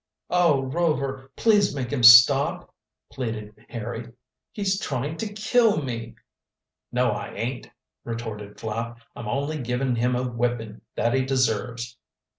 "Oh, Rover, please make him stop," pleaded Harry. "He's trying to kill me!" "No, I ain't," retorted Flapp. "I'm only giving him a whipping that he deserves."